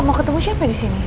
mau ketemu siapa di sini